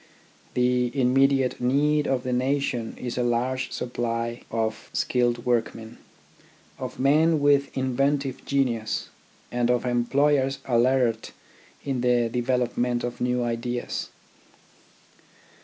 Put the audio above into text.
The immediate need of the nation is a large supply of skilled workmen, of men with inventive genius, and of employers alert in the development of new ideas.